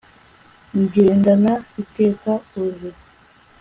ngendana iteka, uze